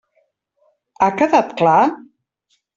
Ha quedat clar?